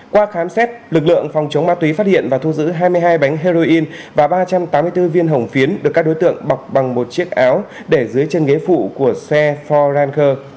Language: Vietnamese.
qua khám xét lực lượng phòng chống ma túy phát hiện và thu giữ hai mươi hai bánh heroin và ba trăm tám mươi bốn viên hồng phiến được các đối tượng bọc bằng một chiếc áo để dưới chân ghế phụ của xe for ranger